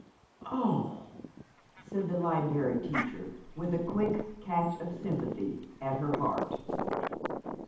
"Oh!" said the Liberry Teacher, with a quick catch of sympathy at her heart.